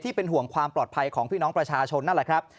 เป็นห่วงความปลอดภัยของพี่น้องประชาชนนั่นแหละครับ